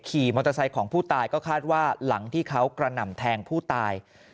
ขี่มอเตอร์ไซค์ของผู้ตายก็คาดว่าหลังที่เขากระหน่ำแทงผู้ตาย